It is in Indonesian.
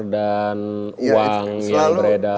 dan uang yang beredar